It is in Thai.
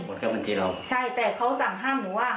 เข้าบัญชีเราใช่แต่เขาสั่งห้ามหนูว่า